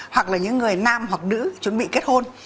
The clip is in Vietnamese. hoặc là những người nam hoặc nữ chuẩn bị kết hôn